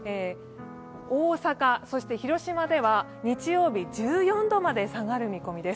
大阪、そして広島では日曜日、１４度まで下がる見込みです。